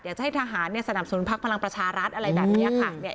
อยากจะให้ทหารสนับสนุนพักพลังประชารัฐอะไรแบบนี้ค่ะ